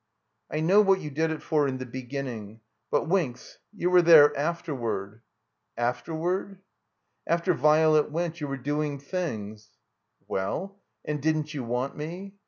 "I know what you did it for in the beginning. But — Winks — ^you were there afterward.'* "Afterward—?" After Virelet went you were doing things." Well — and didn't you want me?"